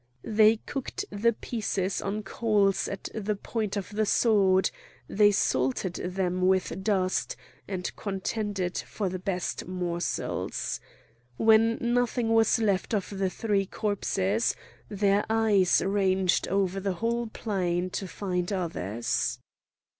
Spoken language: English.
They cooked the pieces on coals at the point of the sword; they salted them with dust, and contended for the best morsels. When nothing was left of the three corpses, their eyes ranged over the whole plain to find others.